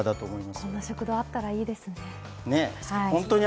こんな食堂があったらいいですね。